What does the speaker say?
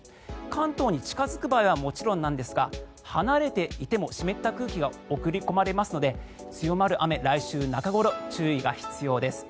関東に近付く場合はもちろんなんですが離れていても湿った空気が送り込まれますので強まる雨、来週中ごろ注意が必要です。